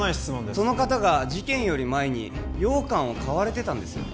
その方が事件より前に羊羹を買われてたんですよね